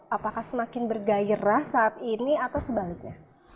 apakah semakin bergairah saat ini atau sebaliknya